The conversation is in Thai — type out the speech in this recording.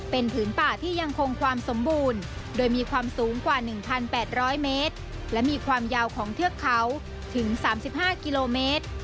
เป็นผืนป่าที่ยังคงความสมบูรณ์โดยมีความสูงกว่า๑๘๐๐เมตรและมีความยาวของเทือกเขาถึง๓๕กิโลเมตร